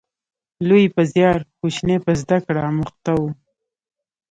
لوی په زیار، کوچنی په زده کړه اموخته و